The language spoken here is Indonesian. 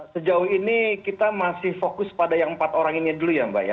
sejauh ini kita masih fokus pada yang empat orang ini dulu ya mbak ya